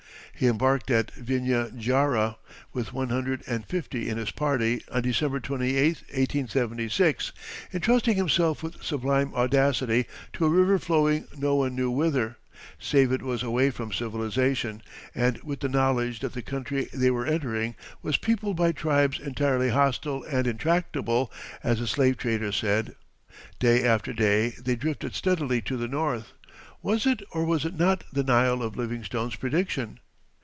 He embarked at Vinya Njara, with one hundred and fifty in his party, on December 28, 1876, intrusting himself with sublime audacity to a river flowing no one knew whither, save it was away from civilization, and with the knowledge that the country they were entering was peopled by tribes entirely hostile and intractable, as the slave traders said. Day after day they drifted steadily to the north. Was it or was it not the Nile of Livingstone's prediction?